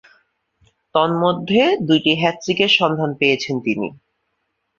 তন্মধ্যে, দুইটি হ্যাট্রিকের সন্ধান পেয়েছেন তিনি।